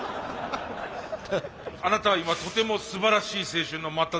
あなたは今とてもすばらしい青春の真っただ中にいます。